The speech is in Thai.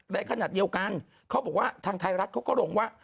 ขนาดเดียวกันเขาบอกว่าทางไทยรัฐเขาก็ลงว่า